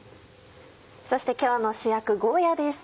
そして今日の主役ゴーヤです。